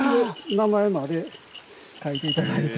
名前まで書いていただいて。